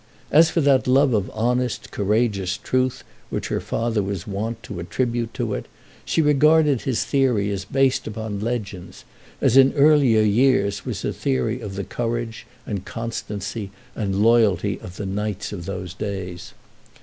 As for that love of honest, courageous truth which her father was wont to attribute to it, she regarded his theory as based upon legends, as in earlier years was the theory of the courage, and constancy, and loyalty of the knights of those days.